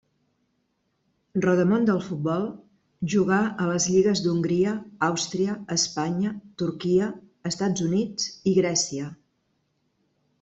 Rodamón del futbol, jugà a les lligues d'Hongria, Àustria, Espanya, Turquia, Estats Units i Grècia.